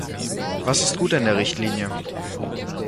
Was ist gut an der Richtlinie?